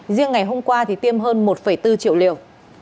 riêng ngày hôm qua thì tiêm hơn một bốn triệu liều